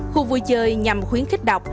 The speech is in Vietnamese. khu vui chơi nhằm khuyến khích đọc